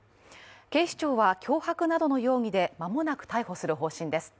警視庁は、脅迫などの容疑で間もなく逮捕する方針です。